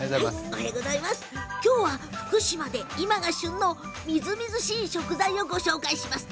きょうは福島で今が旬のみずみずしい食材をご紹介します。